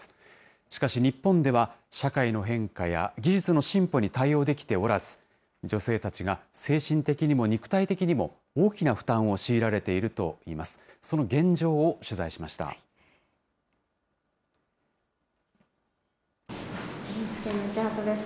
しかし、日本では社会の変化や技術の進歩に対応できておらず、女性たちが精神的にも肉体的にも、大きな負担を強いられているといいます。